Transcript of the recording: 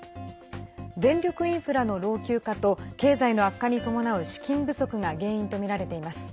電力インフラの老朽化と経済の悪化に伴う資金不足が原因とみられています。